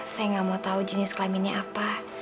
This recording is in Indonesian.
saya nggak mau tahu jenis kelaminnya apa